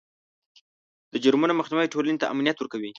د جرمونو مخنیوی ټولنې ته امنیت ورکوي.